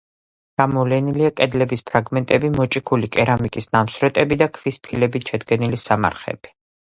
გამოვლენილია კედლების ფრაგმენტები, მოჭიქული კერამიკის ნამტვრევები და ქვის ფილებით შედგენილი სამარხები.